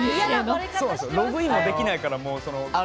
ログインもできないから。